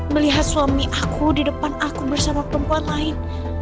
melihat suami aku di depan aku bersama perempuan lain